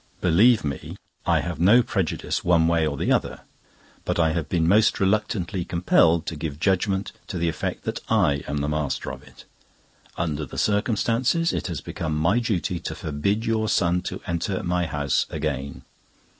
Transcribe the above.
Believe me, I have no prejudice one way or the other; but I have been most reluctantly compelled to give judgment to the effect that I am the master of it. Under the circumstances, it has become my duty to forbid your son to enter my house again.